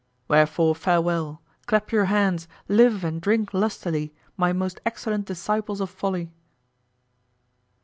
Wherefore farewell, clap your hands, live and drink lustily, my most excellent disciples of Folly.